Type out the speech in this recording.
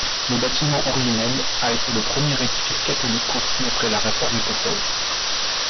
Le bâtiment originel a été le premier édifice catholique construit après la Réforme écossaise.